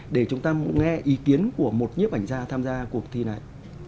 để chúng ta nghe ý kiến của một nhiếp ảnh gia tham gia cuộc thi này